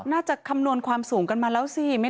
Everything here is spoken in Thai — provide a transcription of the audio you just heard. คำนวณความสูงกันมาแล้วสิ